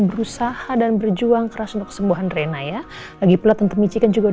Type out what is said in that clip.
berusaha dan berjuang keras untuk sembuhan rena ya lagi pelet untuk micikan juga